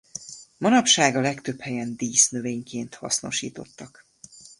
Manapság a legtöbb helyen dísznövényként hasznosítottak.